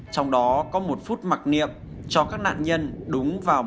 trong đó có một phút mặc niệm cho các nạn nhân đúng vào một mươi năm h sáu